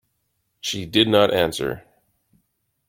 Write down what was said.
She did not answer.